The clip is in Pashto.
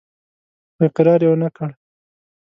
خو اقرار يې ونه کړ.